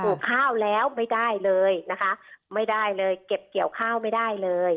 ข้าวแล้วไม่ได้เลยนะคะไม่ได้เลยเก็บเกี่ยวข้าวไม่ได้เลย